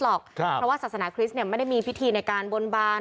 หรอกเพราะว่าศาสนาคริสต์ไม่ได้มีพิธีในการบนบาน